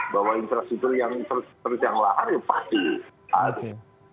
bahwa infrastruktur yang terjanglahan pasti ada